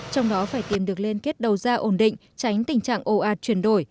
trong đó phải tìm được liên kết đầu ra ổn định tránh tình trạng ồ ạt chuyển đổi